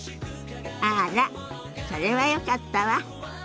あらそれはよかったわ。